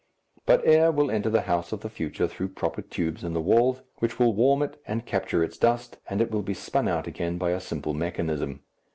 But air will enter the house of the future through proper tubes in the walls, which will warm it and capture its dust, and it will be spun out again by a simple mechanism.